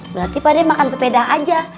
berarti padhe makan sepeda aja